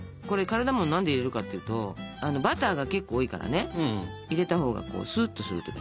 これカルダモン何で入れるかっていうとバターが結構多いからね入れたほうがすっとする。